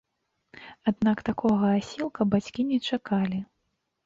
Аднак такога асілка бацькі не чакалі.